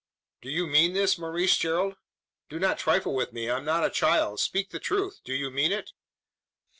"Do you mean this, Maurice Gerald? Do not trifle with me: I am not a child. Speak the truth! Do you mean it?"